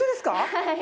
はい。